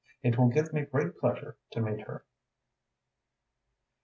It will give me great pleasure to meet her."